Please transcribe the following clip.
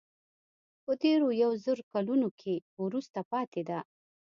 په تېرو یو زر کلونو کې وروسته پاتې ده.